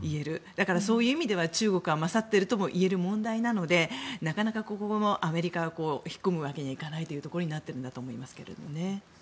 だから、そういう意味では中国が勝っているともいえる問題なのでなかなかここもアメリカは引っ込むわけにはいかないというところになってると思いますけどね。